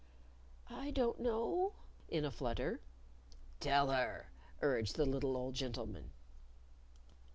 _" "I don't know," in a flutter. "Tell her," urged the little old gentleman.